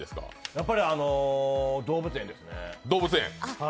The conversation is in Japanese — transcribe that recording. やっぱり動物園ですね。